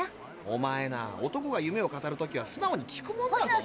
おまえな男が夢を語る時はすなおに聞くもんだろ。